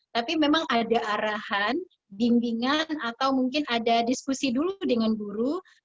tapi memang ada arahan bimbingan atau mungkin ada diskusi dulu dengan guru